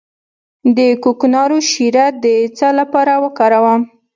د کوکنارو شیره د څه لپاره وکاروم؟